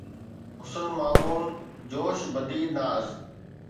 حسن مارون جوش بدي ناز